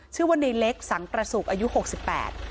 ชื่อว่าในเล็กสังกระสุกอายุหกสิบแปด